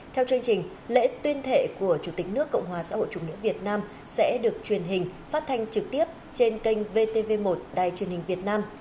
theo chương trình lễ tuyên thệ của chủ tịch nước cộng hòa xã hội chủ nghĩa việt nam sẽ được truyền hình phát thanh trực tiếp trên kênh vtv một đài truyền hình việt nam